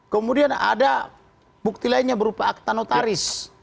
kemudian ada bukti lainnya berupa akta notaris